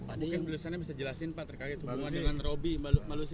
aku ingin lusiana bisa jelasin terkait hubungan dengan robby mbak lusi